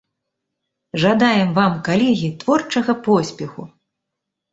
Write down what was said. Жадаем вам, калегі, творчага поспеху!